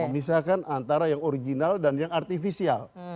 memisahkan antara yang original dan yang artificial